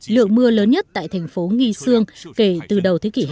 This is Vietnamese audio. lượng mưa lớn nhất tại thành phố nghi sương kể từ đầu thế kỷ hai mươi